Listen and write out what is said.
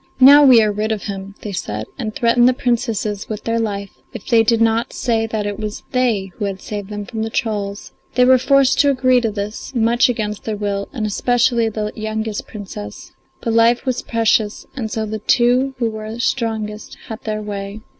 "Now we are rid of him," they said, and threatened the Princesses with their life if they did not say that it was they who had saved them from the trolls. They were forced to agree to this, much against their will, and especially the youngest Princess; but life was precious, and so the two who were strongest had their way.